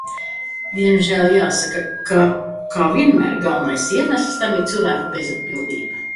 Diemžēl jāsaka, ka, kā vienmēr, galvenais iemesls tam ir cilvēku bezatbildība.